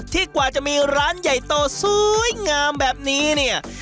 กว่าจะมีร้านใหญ่โตสวยงามแบบนี้เนี่ย